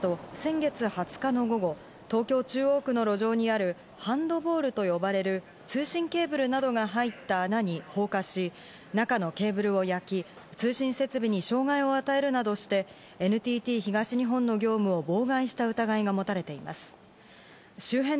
捜査関係者によりますと先月２０日の午後、東京・中央区の路上にあるハンドホールと呼ばれる通信ケーブルなどが入った穴に放火し、中のケーブルを焼き、通信設備に障害を与えるなどしてＮＴＴ東日本の業務を妨害した疑いが持たれています。